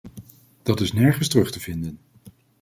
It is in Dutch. Dat is nergens terug te vinden.